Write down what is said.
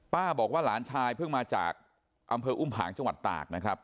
บอกว่าหลานชายเพิ่งมาจากอำเภออุ้มผางจังหวัดตากนะครับ